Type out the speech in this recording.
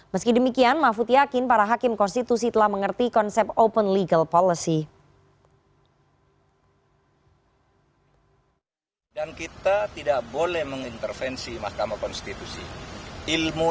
meski demikian mahfud yakin para hakim konstitusi telah mengerti konsep open legal policy